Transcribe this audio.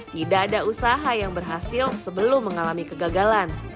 tidak ada usaha yang berhasil sebelum mengalami kegagalan